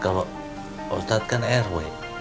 kalau ustadz kan rw